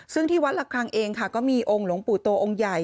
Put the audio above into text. ซึ่งที่วัดละครั้งเองค่ะก็มีองค์หลวงปู่โตองค์ใหญ่